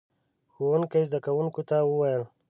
ښوونکي زده کوونکو ته وويل: